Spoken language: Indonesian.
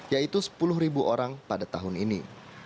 yaitu sepuluh orang pada tahun ini